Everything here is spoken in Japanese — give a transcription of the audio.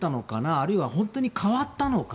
あるいは本当に変わったのか。